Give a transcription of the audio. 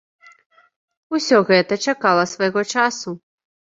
Усё гэта чакала свайго часу.